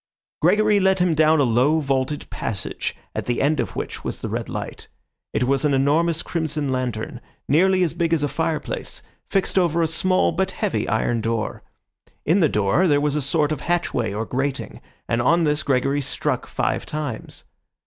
Gregory led him down a low, vaulted passage, at the end of which was the red light. It was an enormous crimson lantern, nearly as big as a fireplace, fixed over a small but heavy iron door. In the door there was a sort of hatchway or grating, and on this Gregory struck five times.